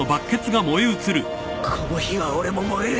この火は俺も燃える。